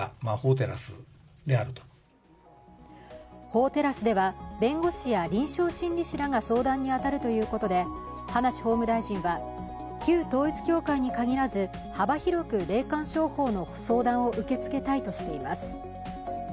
法テラスでは弁護士や臨床心理士らが相談に当たるということで葉梨法務大臣は、旧統一教会に限らず幅広く霊感商法の相談を受け付けたいとしています。